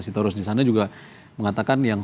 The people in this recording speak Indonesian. sitorus di sana juga mengatakan yang